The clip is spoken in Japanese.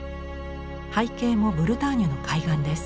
背景もブルターニュの海岸です。